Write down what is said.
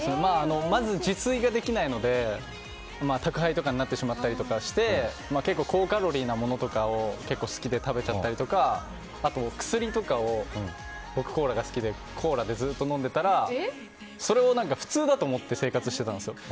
まず自炊ができないので宅配とかになってしまったりして結構高カロリーなものを好きで食べちゃったりとかあとは、薬とかを僕コーラが好きでコーラでずっと飲んでたらそれを普通だと思って生活していたんですよ。